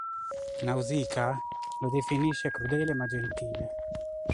Nausicaä lo definisce "crudele ma gentile".